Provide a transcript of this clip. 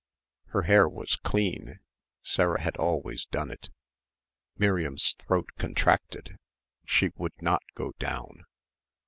Her hair was clean. Sarah had always done it. Miriam's throat contracted. She would not go down.